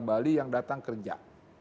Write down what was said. bali yang datang kerja